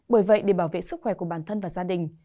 bởi vậy để bảo vệ sức khỏe của bản thân và gia đình